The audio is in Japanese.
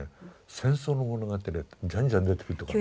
戦争の物語がじゃんじゃん出てくるとこある。